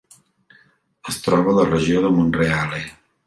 Es troba a la regió de Monreale.